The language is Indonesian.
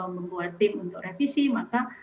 membuat tim untuk revisi maka